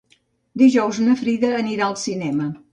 Dijous na Frida anirà al cinema.